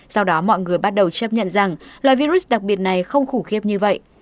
sau đó mọi người bắt đầu chấp nhận rằng loài virus đặc biệt này không khủng khiếp như vậy